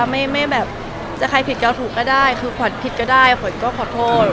ไม่แบบจะใครผิดเกาถูกก็ได้คือขวัญผิดก็ได้ขวัญก็ขอโทษ